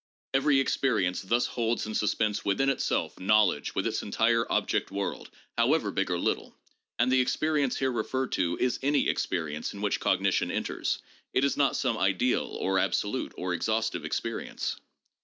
" Every experience thus holds in suspense within itself knowledge with its entire object world, however big or little. And the ex perience here referred to is any experience in which cognition enters. It is not some ideal, or absolute, or exhaustive experi ence."